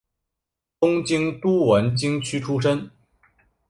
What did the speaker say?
东京都文京区出身。